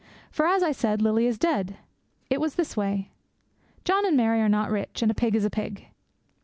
For, as I said, Lily is dead. It was this way. John and Mary are not rich; and a pig is a pig.